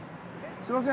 すみません